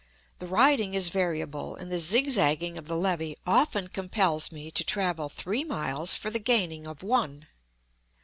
The riding is variable, and the zigzagging of the levee often compels me to travel three miles for the gaining of one.